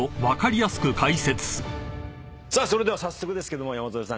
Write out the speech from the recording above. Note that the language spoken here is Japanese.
それでは早速ですけども山添さん